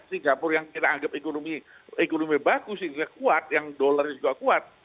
singapura yang kita anggap ekonomi bagus industri kuat yang dollarnya juga kuat